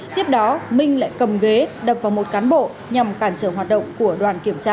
tiếp đó minh lại cầm ghế đập vào một cán bộ nhằm cản trở hoạt động của đoàn kiểm tra